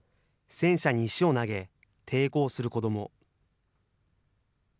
戦車に石を投げ、抵抗する子ども。